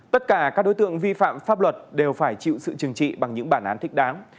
tất cả các đối tượng vi phạm pháp luật đều phải chịu sự trừng trị bằng những bản án thích đáng